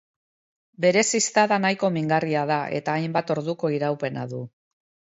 Bere ziztada nahiko mingarria da, eta hainbat orduko iraupena du.